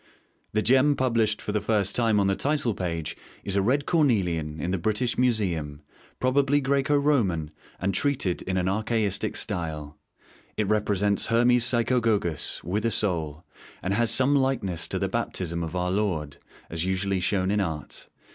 The gem published for the first time on the title page is a red cornelian in the British Museum, probably Graeco Roman, and treated in an archaistic style. It represents Hermes Psychogogos, with a Soul, and has some likeness to the Baptism of Our Lord, as usually shown in art.